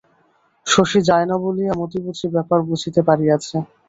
শশী যায় না বলিয়া মতি বুঝি ব্যাপার বুঝিতে পারিয়াছে।